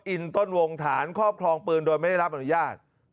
อินต้นวงฐานครอบครองปืนโดยไม่ได้รับอนุญาต